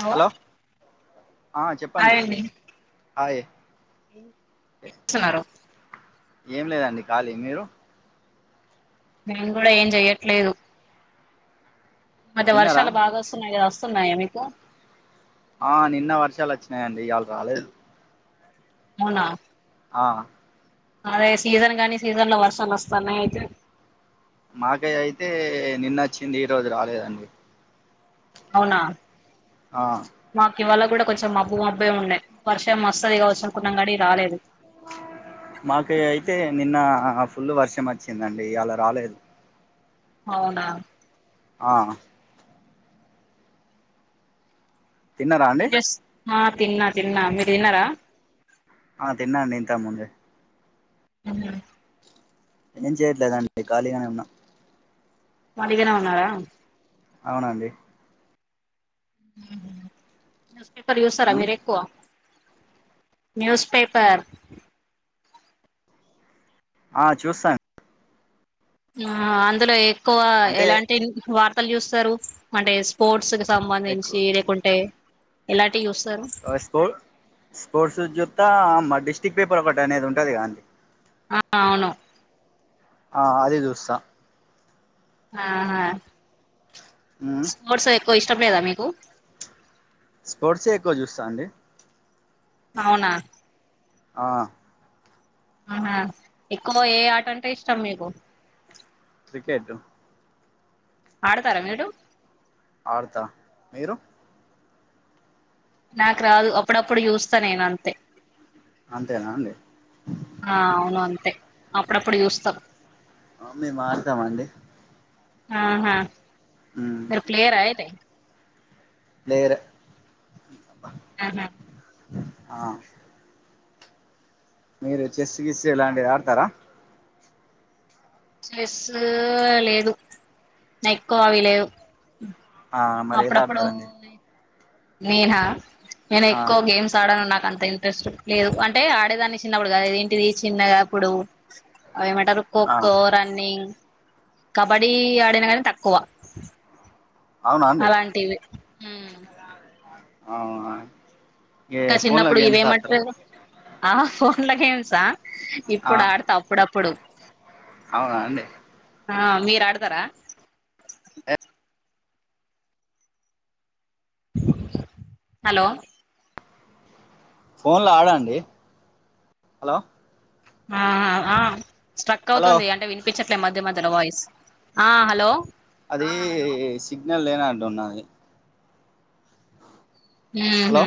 Hello ఆ hi చెప్పండి అండి ఆయ్ ఏం చేస్తున్నారు ఏం లేదండి ఖాళీ మీరు మేం కూడా ఏం చెయట్లేదు మధ్య తిన్నారా వర్షాలు బాగా వస్తున్నాయి వస్తున్నాయా మీకు ఆ నిన్న వర్షాలు వచ్చినయండి ఇయాళ రాలేదు అవునా ఆ అదే సీజన్ గానీ సీజన్ లో వర్షాలు వస్తున్నాయి అయితే మాకే అయితే నిన్న వచ్చింది ఈ రోజు రాలేదండి అవునా ఆ మాకు ఇవాళ కూడా కొంచెం మబ్బు మబ్బే ఉన్నాయి వర్షం వస్తది కావచ్చు అనుకున్నాం కానీ రాలేదు మాకు అయితే నిన్న ఫుల్ వర్షం వచ్చిందండి ఇయాల రాలేదు అవునా ఆ తిన్నారా అండి ఎస్ ఆ తిన్నా తిన్నా మీరు తిన్నరా ఆ తిన్నాండి ఇంతకముందే అ ఏం చేయట్లేదండి ఖాళీగనే ఉన్నా ఉత్తిగనే ఉన్నారా అవునండి న్యూస్పేపర్ చేసారా మ్ మీరేక్కువ న్యూస్ పేపర్ ఆ చూసా ఆ అందులో ఎక్కువ అంటే ఎలాంటి వార్తలు చూస్తరు అంటే స్పోర్ట్స్ కి సంబంధించి ఎక్కువ లేకుంటే ఎలాంటి చూస్తరు స్పో స్పోర్ట్స్ చూప్తా మా డిస్టిరిక్ పేపర్ ఒకటి అనేది ఉంటుంది కద ఆ అవును అది చూస్తా ఆహ ఉమ్ నోట్స్ ఎక్కువ ఇష్టం లేదా మీకు స్పోర్ట్స్ ఏ ఎక్కువ చూస్తా అండి అవునా ఆ ఆహా ఎక్కువ ఏ ఆట అంటే ఇష్టం మీకు క్రికెటు ఆడతరా మీరు ఆడత మీరు నాకు రాదు అప్పుడప్పుడు చూస్తా నేనంతే అంతేనా అండి ఆ అవును అంతే అప్పుడప్పుడు చూస్తాం ఆ మేము మాడతమండి ఆహా ఉమ్ క్లియరయితే లేదు ఆహా ఆ మీరు చెస్ గిస్ ఇలాంటివి ఆడతరా చెస్ లేదు నేక్కువ అవి లేవు ఆ మరి అప్పుడప్పుడు ఏదడుతరండి నేనా నేను ఆ ఎక్కువ గేమ్స్ ఆడను నాక అంత ఇన్ ట్రేస్ లేదు అంటే ఆడేదాన్ని చిన్నప్పుడు కద ఏంటిది చిన్నగా అప్పుడు అవేమంటారు ఖో ఆ ఖో రన్నింగ్ కబడ్డీ ఆడినగనీ తక్కువ అవునా అండి అలాంటివి ఉమ్ ఆవు ఇ ఇంకా ఫోన్గ చిన్నప్పుడు గేమ్స్ ఇవేమంటారు ఆ ఫోన్ల గేమ్సా ఆ ఇప్పుడు ఆడతా అప్పుడప్పుడు అవునా అండి ఆ మీరు ఆడతారా హలో ఫోన్లో ఆడండి హలో ఆ ఆ స్ట్రక్ హలో అవుతుంది అంటే వినిపించట్లే మధ్య మధ్యలో వాయిస్ ఆ హలో అది సిగ్నల్ లేనట్టు ఉన్నది హలో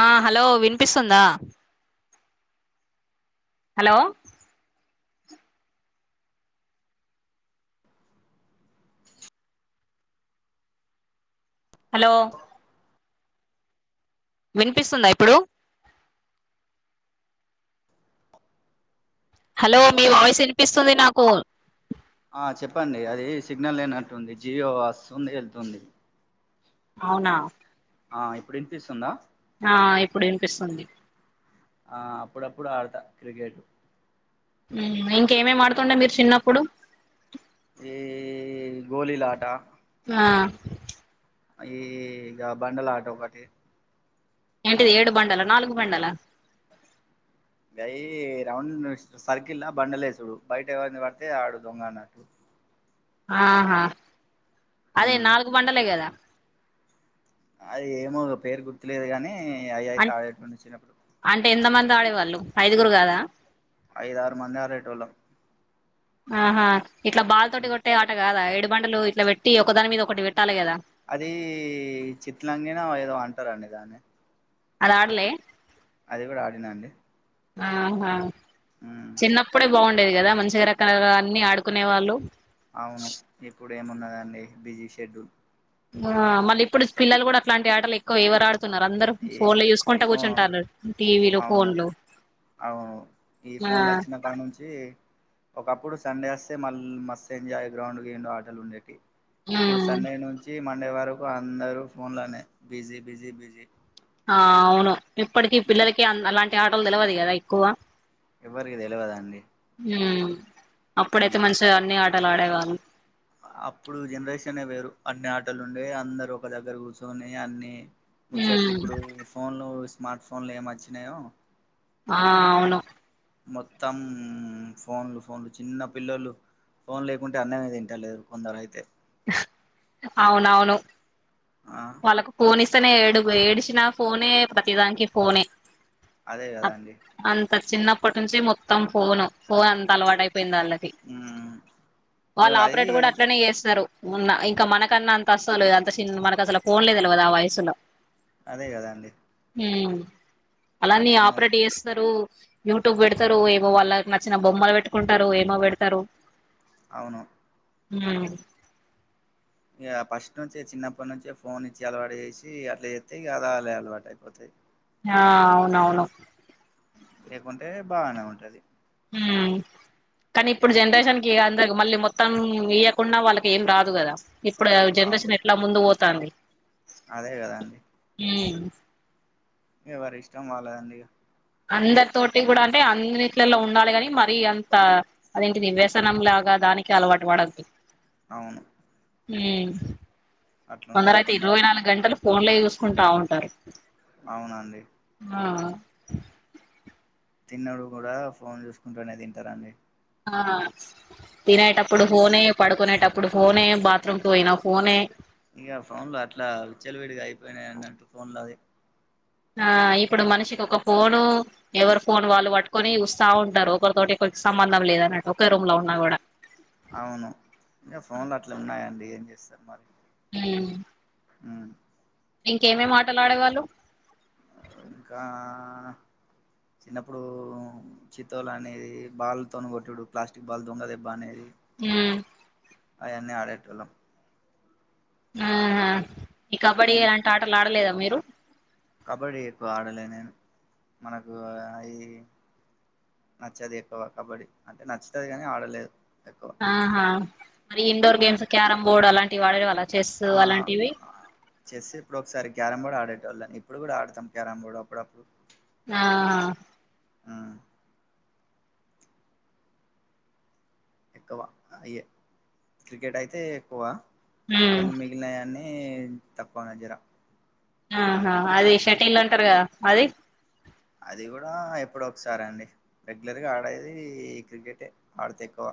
ఆ హలో వినిపిస్తుందా హలో హలో వినిపిస్తుందా ఇప్పుడు హలో మీ వాయిస్ వినిపిస్తుంది నాకు ఆ చెప్పండి అది సిగ్నల్ లేనట్టుంది జియో వస్తుంది వెళ్తుంది అవునా ఆ ఇప్పుడు ఇనిపిస్తుందా ఆ ఇప్పుడు వినిపిస్తుంది ఆ అప్పుడప్పుడు ఆడతా క్రికెట్ ఉం ఇంకేం ఎం ఆడుతుందే మీరు చిన్నప్పుడు ఈ గోలీలాటా హా ఈ గ బండల లాట ఒకటి ఏంటిది ఏడు బండల నాలుగు బండల అయి రౌండ్ సర్కిల్ బండలేసుడు బయట ఎవంది పడితే ఆడు దొంగ అన్నట్టు ఆహా అదే ఉమ్ నాలుగు బండలే కదా అది ఏమో ఒక పేరు గుర్తులేదు కాగానీ అయి అం అయితే ఆడేటోనీ చినప్పుడు అంటే ఎంత మంది ఆడేవాళ్ళు ఐదుగురు కదా ఐదు ఆరు మంది ఆడేటోలమ్ ఆహా ఇట్లా బాల్ తోటి కొట్టే ఆట కాదా ఎడుబండలు ఇట్లా పెట్టి ఒకదాని మీద ఒకటి పెట్టాలి కదా అది చిత్లంగనా ఏదో అంటారండి దాన్ని అది ఆడలే అది కూడా ఆడినా అండి ఆహా చిన్నప్పుడే బాగుండేది కదా మంచిగా రకలుగా అన్ని ఆడుకునే వాళ్ళు అవును ఇప్పుడ ఏమున్నదండి బిజీ షెడ్యూల్ ఆ మళ్ళీ ఇప్పుడు పిల్లలు కూడా అట్లాంటి ఆటలు ఏ కో ఎవరు ఆడుతున్నారు అందరు ఏ ఫోన్ లో యూసుకుంటా ఫో కూర్చుంటారు టీవీలు అవును ఫోన్లు అవును ఈ ఆ ఫోన్లు వచ్చిన కా నుంచి ఒకప్పుడు సండే వస్తే మళ్ళీ మస్ ఎంజాయ్ గ్రౌండు గివుండు ఆటలు ఉండేటివి ఇప్పుడు ఉమ్ సండే నుంచి మండే వరకు అందరూ ఫోన్లోనే బిజీ బిజీ బిజీ ఆ అవును ఇప్పటికి పిల్లలకి అలాంటి ఆటలు తెలివదు కదా ఎక్కువ ఎవ్వరికి తెలియద అండి ఉ అప్పుడైతే మంచిగా అన్ని ఆటలు ఆడేవాళ్లు అప్పుడు జనరేషన్ వేరు అన్ని ఆటలు ఉండేవి అందరు ఒక దగ్గర కూర్చొని అన్ని ముచ్చట్లు ఉమ్ ఇప్పుడు ఈ ఫోన్లు స్మార్ట్ ఫోన్లు ఏమ వచ్చినాయో హా అవును మొత్తం ఫోన్లు ఫోన్లు చిన్న పిల్లలు ఫోన్ లేకుంటే అన్నమే దిన్ లేరు కొందరు అయితే అవునవును ఆ వాళ్ళకు ఫోన్ ఇస్తేనే ఏడుగు ఏడిచినా ఫోనే, ప్రతిదానికీ ఫోనే అదే కదా అండి అంత చిన్నప్పటి నుంచి మొత్తం ఫోను, ఫోన్ అంత అలవాటపోయింది వాళ్ళకి ఉమ్ ఇగ వాళ్ళు అది ఆపరేట్ కూడా అట్లనే చేస్తారు ఉన్నా ఇంకా మనకన్నా అంత అసలు అంత చి మనకసలు ఫోన్లే తెలవదు ఆ వయసులో అదే కదా అండి ఉమ్ అలానే అట్లున్నది ఆపరేట్ చేస్తారు యూట్యూబ్ పెడతరు, ఏమో వాళ్ళకి నచ్చిన బొమ్మలు పెట్టుకుంటారు ఏమో పెడతారు. అవును ఉమ్మ్ ఇక ఫస్ట్ నుంచే చిన్నప్పటి నుంచే ఫోన్ ఇచ్చి అలవాటు చేసి అట్లా చెస్తే ఇక అదే అలవాటు అయిపోతాయి ఆ అవునవును లేకుంటే బాగానే ఉంటది ఉమ్మ్ కానీ ఇప్పుడు జనరేషన్ కి అందదు మళ్ళీ మొత్తం ఇయ్యకుండా వాళ్ళకి ఏం రాదు కదా ఇప్పుడు ఆ అవును జనరేషన్ ఎట్లా ముందుకు పోతాంది అదే కదాండి ఉమ్ ఎవరి ఇష్టం వాళ్ళదండి ఇగ అందరితోటి కూడా అంటే అన్నిట్లలో ఉండాలి కాని మరీ అంతా? అదేంటిది వ్యసనం లాగా దానికి అలవాటు పడద్దు అవును ఉమ్ అట్లుంటది కొందరైతే ఇరవై కొందరికి నాలుగు గంటలు ఫోన్లోయి చూసుకుంటా ఉంటారు. అవునండి ఆ తిన్నప్పుడు కూడా ఫోన్ చూసుకుంటూనే తింటారండి ఆ తినేటప్పుడు లేకుం ఫోనే పడుకునేటప్పుడు ఫోనే, బాత్రూంకి పోయినా ఫోనే ఇక ఫోన్లు అట్లా విచ్చలవిడిగా అయిపోయినాయండి అంటూ ఫోన్ లో అది ఆ ఇప్పుడు మనిషికి ఒక ఫోను ఎవరు ఫోన్ వాళ్ళు పట్టుకొని చూస్తా ఉంటారు ఒకరితోటి ఒకరికి సంబంధం లేదన్నట్టు ఒక రూమ్ లో ఉన్నా కూడా అవును ఇంకా ఫోన్లు అట్లా ఉన్నాయండి ఏం చేస్తారు మరి ఉమ్మ్ ఉమ్మ్ ఇంకా ఏం ఏం ఆటలాడేవాళ్ళు ఇంకా చిన్నప్పుడూ చితోలు అనేది, బాల్ తోన గొట్టుడు ప్లాస్టిక్ బాల్ దొంగ దెబ్బ అనేది ఉమ్ అయన్నీ అడేటోళ్ళం ఆహా ఈ కబడ్డీ ఉమ్, ఇలాంటి ఆటలు ఆడలేదా మీరు కబడ్డీ ఎక్కువ ఆడలే నేను, మనకు అవి నచ్చదు ఎక్కువ కబడ్డీ అంటే నచ్చుతది కానీ ఆడలేదు ఎక్కువ ఆహా మరి indoor um, games carrom board అలాంటివి ఆడేవాళ్ళా ఆ చెస్ ఇప్పుడు ఒకసారి క్యారమ్ బోర్డ్ ఆడేటోల్లం ఇప్పుడు కూడా ఆడతం క్యారమ్ బోర్డు అప్పుడప్పుడు ఆ ఉమ్, ఎక్కువ అయే క్రికెట్ అయితే ఎక్కువ ఉమ్ ఎమ్మిగ్ మిలినయన్ని తక్కువనే జెర ఆహా అది షటిల్ అంటారు గదా అది అది గూడా ఎప్పుడొ ఒకసారి అండి రెగ్యులర్గా ఆడేది క్రికెటే ఆడితే ఎక్కువ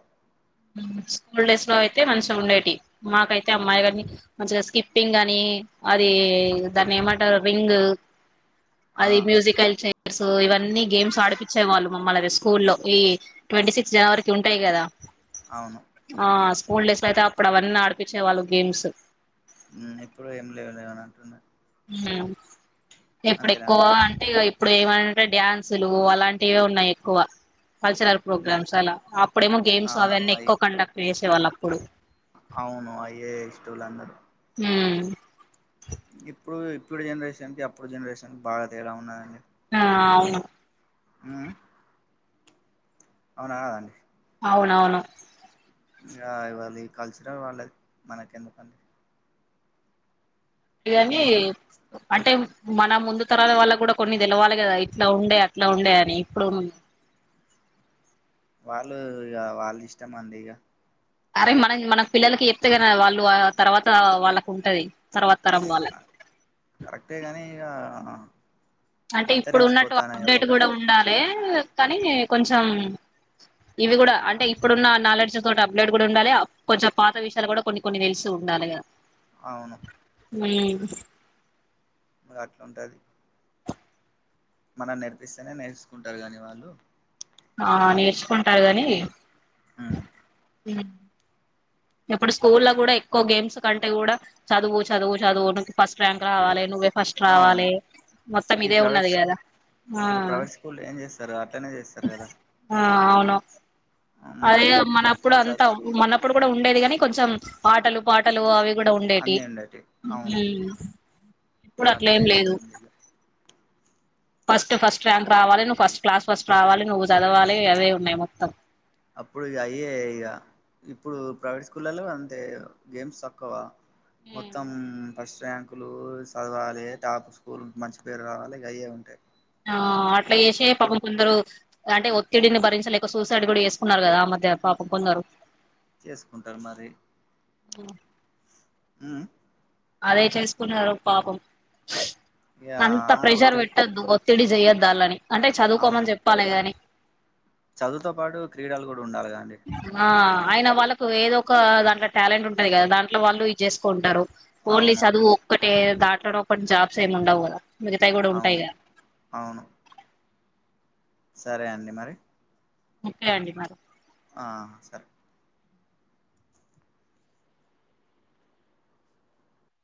ఊమ్ స్కూల్ డేస్ లో అయితే మంచిగా ఉండేటివి మాకైతే అమ్మాయి గారిని మంచిగా స్కిప్పింగ్ అని అది దాన్ని ఏమంటారు రింగు ఆ అది మ్యూజికల్ చైర్ సు ఇవన్నీ గేమ్స్ ఆడిపించే వాళ్ళు మమ్మల్ అది స్కూల్లో ఈ ట్వంటీ సిక్స్త్ జనవరికి ఉంటాయి గదా అవును ఆ స్కూల్ డేస్ లో అయితే అప్పుడు అవన్నీ ఆడిపించేవాళ్ళు గేమ్స్ ఊమ్ ఇప్పుడు ఏం లేవు లేవని అంటున్నా ఊ ఇప్పుడు అంతేనా ఎక్కువ అండి అంటే ఇగ ఇప్పుడు ఏమైనాంటే డ్యాన్సులు అలాంటివే ఉన్నాయి ఎక్కువ కల్చరల్ హ్మ్. ప్రోగ్రామ్స్ అలా అప్పుడేమో గేమ్స్ అవును అవన్నీ అయి ఎక్కువ కండక్ట్ చేసే వాళ్ళు అప్పుడు అవును అయ్యే జేసేటోళ్ళు అందరూ ఊమ్ ఇప్పుడు ఇప్పుడు జనరేషన్కి అప్పుడు జనరేషన్కి బాగా తేడా ఉన్నాదండి ఆ అవును ఊ ఊ అవునా కదాండీ అవునవును ఇగ ఇవాళ ఈ కల్చరల్ వాళ్ళది మనకి ఎందుకండి ఇ అన్ని మ్మ్ అంటే మన ముందు తరాల వాళ్ళకి కూడా కొన్ని తెలవాల కదా ఇట్లా ఉండే అట్లా ఉండే అని ఇప్పుడు వాళ్ళు ఇగ వాళ్ళ ఇష్టం అండి ఇగ అరే మనం మన పిల్లలకి చెప్తే కదా వాళ్ళు ఆ తర్వాత వాళ్ళకి ఉంటది తర్వాత తరం వాళ్ళకి కరెక్టే గాని ఇగ అంటే ఇప్పుడు ఉన్నట్టు అప్డేట్ కూడా ఒక్కొక్కటి ఉండాలె కానీ కొంచం ఇవి గూడా అంటే ఇప్పుడున్న నాలెడ్జ్ తోటి అప్డేట్ కూడా ఉండాలె కొంచెం పాత విషయాలు కూడా కొన్ని కొన్ని తెలుసు ఉండాలె కదా అవును ఊ అట్లుంటది మనం నేర్పిస్తేనే నేర్చుకుంటారు గాని వాళ్ళు ఆ నేర్చుకుంటారు గాని ఇప్పుడు స్కూ లో కూడా ఎక్కువ గేమ్స్ కంటే కూడా చదువు చదువు చదువు ఫస్ట్ ర్యాంక్ ఇగ రావాలె నువ్వే ఫస్ట్ అవును రావాలె మొత్తం ఈ ఇదే ప్రైవేట్ ఉన్నది స్కూ కదా ఆ ఇప్పుడు ప్రైవేట్ స్కూల్ ఏం చేస్తారు అట్లనే చేస్తారు కదా ఆ అవును అదే మరి గదా మనప్పుడు స అంతా మనప్పుడు కూడా ఉండేది కాని కొంచెం ఆటలు పాటలు అవి గూడా అన్నీ ఉండేటివి అవును ఊమ్ ఇప్పుడు అట్లే అట్లేం లేదు వచ్చింది ఇక ఫస్ట్ ఫస్ట్ ర్యాంక్ రావాలె నువ్వు ఫస్ట్ క్లాస్ ఫస్ట్ రావాలె నువ్వు చదవాలె అవే ఉన్నాయి మొత్తం అప్పుడు ఇగ అయే ఇగ ఇప్పుడు ప్రైవేట్ స్కూలల్లో అంతే గేమ్స్ తక్కువ మొత్తం ఫస్ట్ ర్యాంక్ కులు చదవాలే టాప్ స్కూల్ మంచి పేరు రావాలే ఇక అయే ఉంటాయ్. ఆ అట్లా చేసే పాపం కొందరు అంటే ఒత్తిడిని భరించలేక సూసైడ్ కూడా చేసుకున్నారు కదా ఆ మధ్య పాపం కొందరు. చేస్కుంటారు మరి ఉ ఆ ఉ అదే చేసుకున్నారు పాపం స్ ఇక అంత ప్రెషర్ ఒత్తిడి పెట్టద్దు ఒత్తిడి చేయద్దు వాళ్ళని అంటే అవును చదువుకోమని చెప్పాలే గాని. చదువుతో పాటు క్రీడలు కూడా ఉండాలి గదండి ఆ అయిన వాళ్ళలకు ఏదో ఒక దాంట్లో టాలెంట్ ఉంటంది కదా దాంట్లో వాళ్ళు ఇది చేస్కుంటారు. ఓన్లీ అవును చదువు ఒక్కటే దాంట్లోను ఒకటి జాబ్స్ ఏమి ఉండవు గదా మిగతాయి కూడా ఉంటాయి అవును గదా. అవును సరే అండి మరి ఓకే అండి మరి ఆ సరే